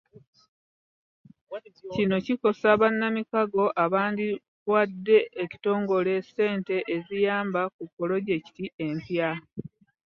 Kino kikosa bannamukago abandiwadde ekitongole ssente eziyamba ku pulojekiti empya.